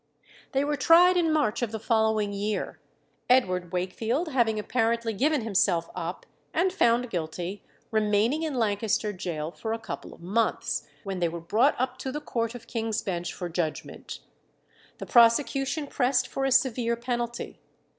They were tried in March of the following year, Edward Wakefield having apparently given himself up, and found guilty, remaining in Lancaster Gaol for a couple of months, when they were brought up to the court of King's Bench for judgment. The prosecution pressed for a severe penalty.